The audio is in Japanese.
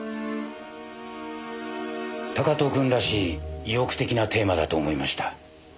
高塔君らしい意欲的なテーマだと思いました。